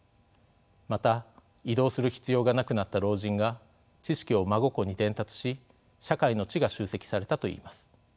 また移動する必要がなくなった老人が知識を孫子に伝達し社会の知が集積されたといいます。